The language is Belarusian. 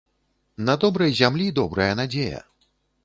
На добрай зямлі добрая надзея